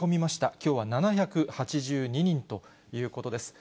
きょうは７８２人ということです。